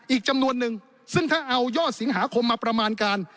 อีกจำนวนนึงซึ่งถ้าเอายอดสิงหาคมมาประมาณการ